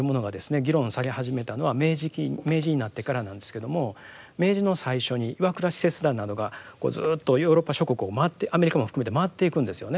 議論され始めたのは明治期明治になってからなんですけれども明治の最初に岩倉使節団などがこうずっとヨーロッパ諸国を回ってアメリカも含めて回っていくんですよね。